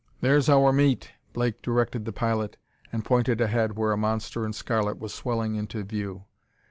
"There's our meat!" Blake directed the pilot, and pointed ahead where a monster in scarlet was swelling into view.